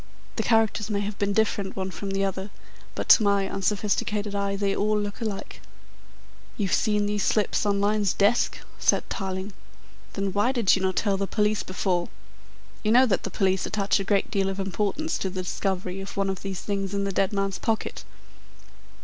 The characters may have been different one from the other, but to my unsophisticated eye they all look alike." "You've seen these slips on Lyne's desk?" said Tarling. "Then why did you not tell the police before? You know that the police attach a great deal of importance to the discovery of one of these things in the dead man's pocket?"